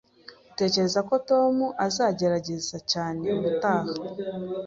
Utekereza ko Tom azagerageza cyane ubutaha?